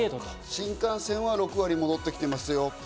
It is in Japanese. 新幹線は６割戻ってきますよ。